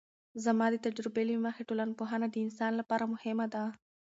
زما د تجربې له مخې ټولنپوهنه د انسان لپاره مهمه ده.